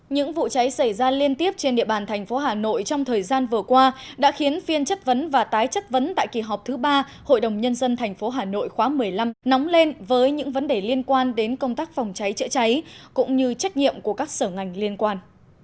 những vụ cháy xảy ra liên tiếp trên địa bàn thành phố hà nội trong thời gian vừa qua đã khiến phiên chất vấn và tái chất vấn tại kỳ họp thứ ba hội đồng nhân dân tp hà nội khóa một mươi năm nóng lên với những vấn đề liên quan đến công tác phòng cháy chữa cháy cũng như trách nhiệm của các sở ngành liên quan